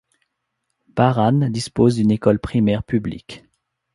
Barran dispose d'une école primaire publique.